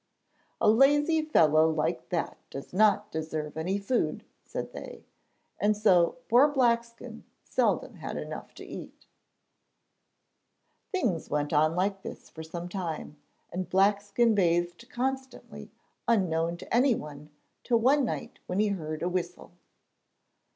'A lazy fellow like that does not deserve any food,' said they, and so poor Blackskin seldom had enough to eat. Things went on like this for some time, and Blackskin bathed constantly unknown to anyone till one night when he heard a whistle.